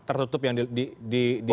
tertutup yang dilakukan